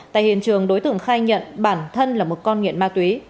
tại hiện trường đối tượng khai nhận bản thân là một con nghiện ma túy